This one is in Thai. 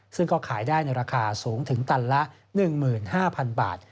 ซึ่งก็ขายได้ในราคาสูงถึงตันละ๑๕๐๐๐บาท